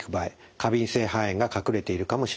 過敏性肺炎が隠れているかもしれません。